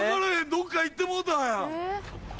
どっかいってもうたんや。